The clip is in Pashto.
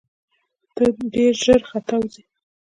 ته ډېر ژر ختاوزې !